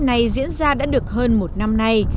này diễn ra đã được hơn một năm nay